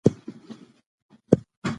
پوهه د انسان عقل بشپړوي.